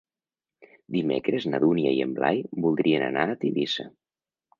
Dimecres na Dúnia i en Blai voldrien anar a Tivissa.